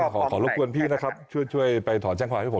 ขอรบกวนพี่นะครับช่วยไปถอนแจ้งความให้ผม